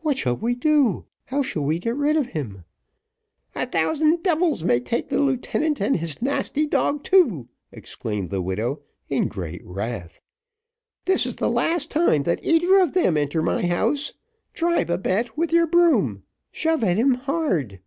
"What shall we do how shall we get rid of him?" "A thousand devils may take the lieutenant, and his nasty dog, too," exclaimed the widow, in great wrath; "this is the last time that either of them enter my house; try, Babette, with your broom shove at him hard."